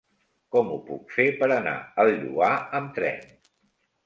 Com ho puc fer per anar al Lloar amb tren?